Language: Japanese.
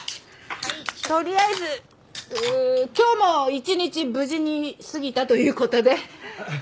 とりあえず今日も一日無事に過ぎたという事で。